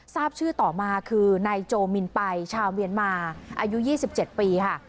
ทราบชื่อต่อมาคือนายโจมินไปชาวเมียนมาอายุ๒๗ปีค่ะ